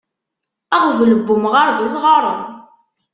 Aɣbel n umɣaṛ d isɣaṛen.